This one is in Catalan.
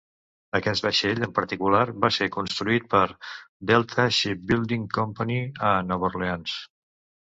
Aquest vaixell en particular va ser construït per Delta Shipbuilding Company a Nova Orleans.